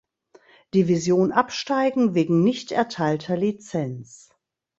Division absteigen wegen nicht erteilter Lizenz.